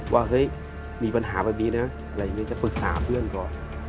ว่าเฮ้ยมีปัญหาแบบนี้นะอะไรอย่างนี้จะปรึกษาเพื่อนก่อน